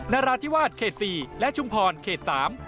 นาราธิวาสเขต๔และชุมพรเขต๓